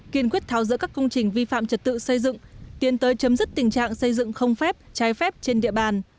kiên quyết tháo rỡ các công trình vi phạm trật tự xây dựng tiến tới chấm dứt tình trạng xây dựng không phép trái phép trên địa bàn